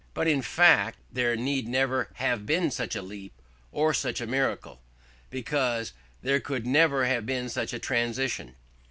But in fact there need never have been such a leap, or such a miracle, because there could never have been such a transition.